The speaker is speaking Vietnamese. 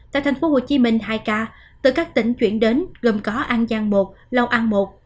tại thành phố hồ chí minh hai ca từ các tỉnh chuyển đến gồm có an giang một lâu an một